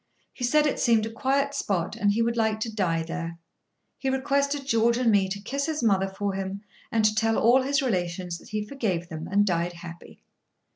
He said it seemed a quiet spot, and he would like to die there. He requested George and me to kiss his mother for him, and to tell all his relations that he forgave them and died happy.